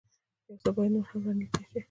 يو څه بايد نور هم را نېږدې شي.